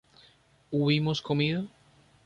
¿hubimos comido?